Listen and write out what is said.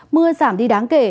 mưa giảm đi đáng kể